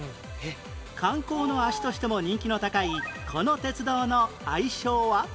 観光の足としても人気の高いこの鉄道の愛称は？